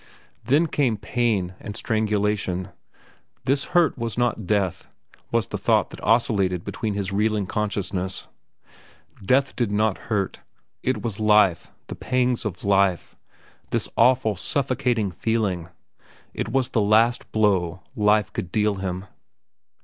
Then came pain and strangulation. This hurt was not death, was the thought that oscillated through his reeling consciousness. Death did not hurt. It was life, the pangs of life, this awful, suffocating feeling; it was the last blow life could deal him.